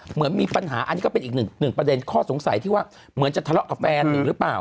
เหมือนมีปัญหาอันนี้ก็เป็นอีกหนึ่งประเด็นข้อสงสัยที่ว่าเหมือนจะทะเลาะกับแฟนอีกหรือเปล่า